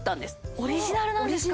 オリジナルなんですか。